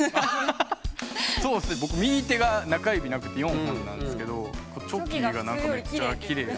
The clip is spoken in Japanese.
僕右手が中指なくて４本なんですけどチョキがめっちゃきれい。